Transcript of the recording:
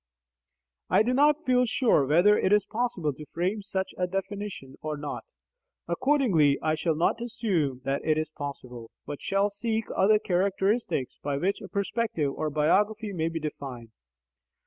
I do not feel sure whether it is possible to frame such a definition or not; accordingly I shall not assume that it is possible, but shall seek other characteristics by which a perspective or biography may be defined.